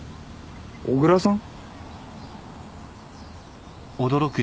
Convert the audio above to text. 小椋さん？